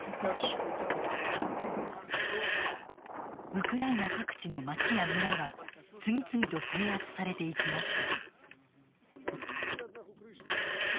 ウクライナ各地の町や村は次々と制圧されていきました。